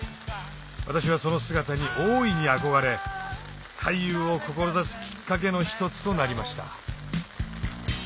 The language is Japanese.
私はその姿に大いに憧れ俳優を志すきっかけの一つとなりました